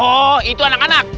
oh itu anak anak